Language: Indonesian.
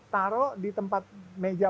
taruh di tempat meja